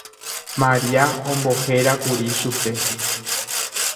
Maria ombohérakuri chupe.